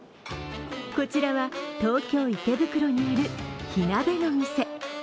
こちらは東京・池袋にある火鍋の店。